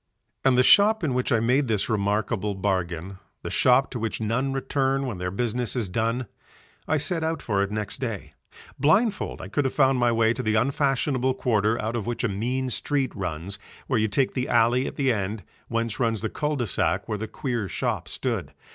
And the shop in which I made this remarkable bargain, the shop to which none return when their business is done: I set out for it next day. Blindfold I could have found my way to the unfashionable quarter out of which a mean street runs, where you take the alley at the end, whence runs the cul de sac where the queer shop stood.